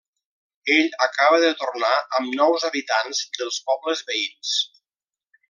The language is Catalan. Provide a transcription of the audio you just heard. Ell acaba de tornar amb nous habitants dels pobles veïns.